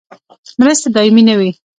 مرستې دایمي نه وي